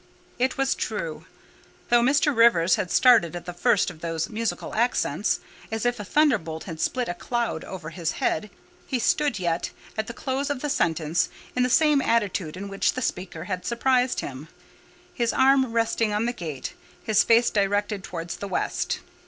It was true. Though Mr. Rivers had started at the first of those musical accents, as if a thunderbolt had split a cloud over his head, he stood yet, at the close of the sentence, in the same attitude in which the speaker had surprised him—his arm resting on the gate, his face directed towards the west.